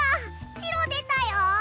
しろでたよ！